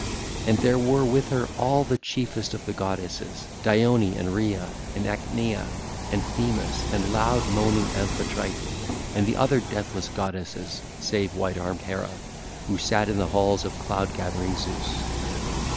And there were with her all the chiefest of the goddesses, Dione and Rhea and Ichnaea and Themis and loud moaning Amphitrite and the other deathless goddesses save white armed Hera, who sat in the halls of cloud gathering Zeus.